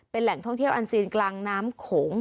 เป็นแหล่งท่องเที่ยวอันซีนกลางน้ำโขง